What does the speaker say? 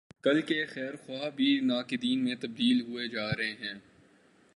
کل کے خیر خواہ بھی ناقدین میں تبدیل ہوتے جارہے ہیں۔